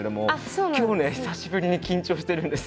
今日ね久しぶりに緊張してるんです。